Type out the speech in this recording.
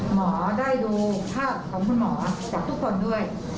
หมอได้ดูภาพของคุณหมอจากทุกคนด้วย